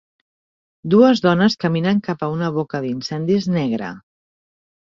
Dues dones caminen cap a una boca d'incendis negra.